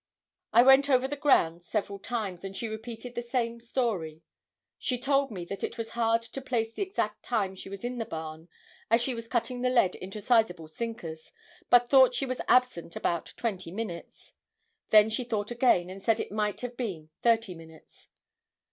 I went over the ground several times and she repeated the same story. She told me that it was hard to place the exact time she was in the barn, as she was cutting the lead into sizable sinkers, but thought she was absent about twenty minutes. Then she thought again, and said it might have been thirty minutes.